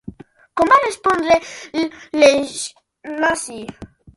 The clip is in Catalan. Com va respondre l'Ignasi?